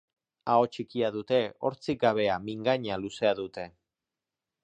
Aho txikia dute, hortzik gabea; mingaina luzea dute.